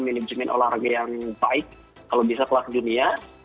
manajemen olahraga yang baik kalau bisa kelas dunia